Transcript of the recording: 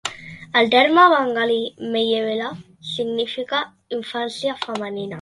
El terme bengalí "meyebela" significa "infància femenina".